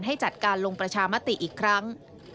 ให้จัดการลงประชามติอีกครั้ง